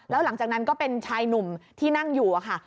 แล้วหลังจากนั้นก็เป็นชายหนุ่มที่นั่งอยู่ค่ะ